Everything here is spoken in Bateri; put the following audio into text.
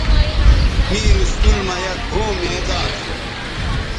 می اسکول مہ یک گھؤں میداں تھو